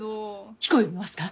彦を呼びますか？